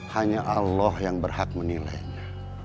hanya allah yang berhak menilainya